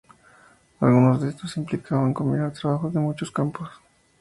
Algunos de estos, implicaban combinar trabajos de muchos campos.